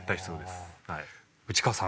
内川さん